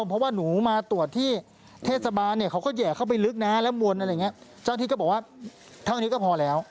เจ้าอาทิตย์ก็บอกว่าเท่านี้ก็พอแล้ว